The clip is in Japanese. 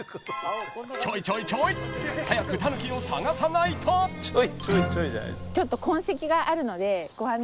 ［ちょいちょいちょい早くタヌキを探さないと］痕跡？